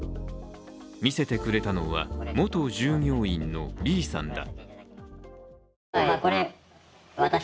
見せてくれたのは元従業員のＢさんだ。